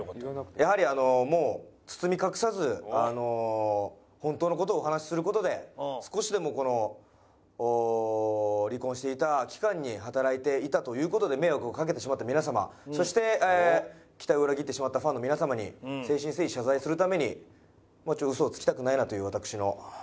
やはりあのもう包み隠さず本当の事をお話しする事で少しでもこの離婚していた期間に働いていたという事で迷惑をかけてしまった皆様そして期待を裏切ってしまったファンの皆様に誠心誠意謝罪するためにもう嘘をつきたくないなという私の。